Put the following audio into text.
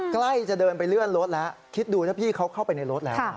ใกล้จะเดินไปเลื่อนรถแล้วคิดดูนะพี่เขาเข้าไปในรถแล้ว